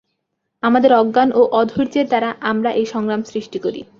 আমাদের অজ্ঞান ও অধৈর্যের দ্বারা আমরা এই সংগ্রাম সৃষ্টি করি।